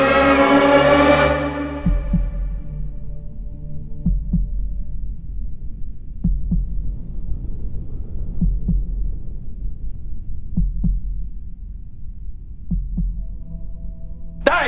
เอด่าย